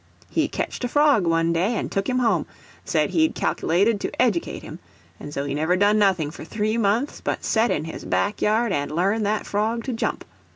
He ketched a frog one day, and took him home, and said he cal'lated to educate him; and so he never done nothing for three months but set in his back yard and learn that frog to jump.